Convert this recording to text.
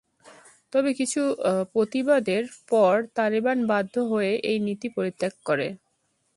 তবে কিছু প্রতিবাদের পর তালেবান বাধ্য হয়ে এই নীতি পরিত্যাগ করে।